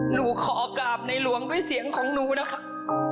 หนูขอกราบในหลวงด้วยเสียงของหนูนะคะ